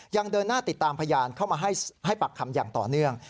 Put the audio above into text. ยังเดินหน้าติดตามพยานเข้ามาให้ปากคำอย่างต่อเนื่อง